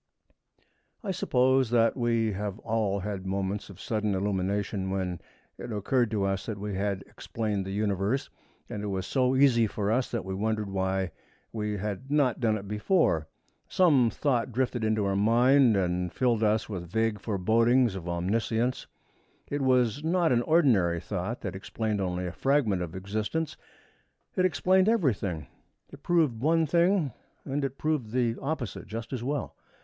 I suppose that we have all had moments of sudden illumination when it occurred to us that we had explained the Universe, and it was so easy for us that we wondered why we had not done it before. Some thought drifted into our mind and filled us with vague forebodings of omniscience. It was not an ordinary thought, that explained only a fragment of existence. It explained everything. It proved one thing and it proved the opposite just as well.